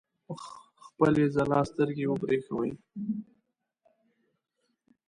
په خپلې ځلا سترګې وبرېښوي.